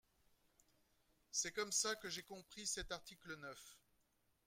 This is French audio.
C’est comme ça que j’ai compris cet article neuf.